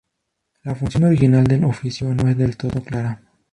La función original del oficio no es del todo clara.